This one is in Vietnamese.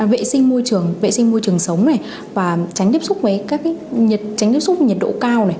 vệ sinh môi trường sống và tránh tiếp xúc với nhiệt độ cao